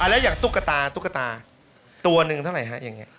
แล้วอย่างตุ๊กตาตัวหนึ่งเท่าไหร่ฮะ